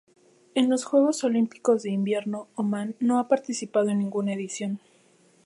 En los Juegos Olímpicos de Invierno Omán no ha participado en ninguna edición.